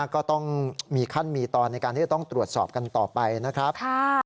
ก็ต้องมีขั้นมีตอนในการที่จะต้องตรวจสอบกันต่อไปนะครับ